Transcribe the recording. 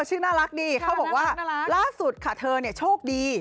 ชื่อน่ารักดีเขาบอกว่าล่าสุดค่ะเธอเนี่ยโชคดี